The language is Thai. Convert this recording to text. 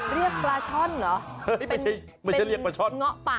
เรียกปลาช่อนเหรอเป็นเงาะป่าหรือเปล่าเป็นเรียกปลาช่อน